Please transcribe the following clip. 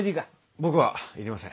僕は要りません。